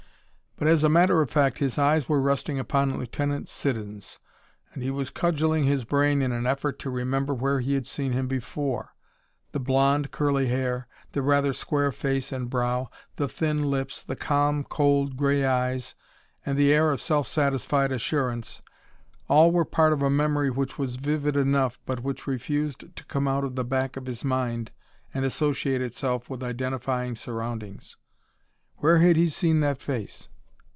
But as a matter of fact his eyes were resting upon Lieutenant Siddons, and he was cudgelling his brain in an effort to remember where he had seen him before. The blond, curly hair; the rather square face and brow; the thin lips, the calm, cold grey eyes; and the air of self satisfied assurance, all were part of a memory which was vivid enough but which refused to come out of the back of the mind and associate itself with identifying surroundings. Where had he seen that face?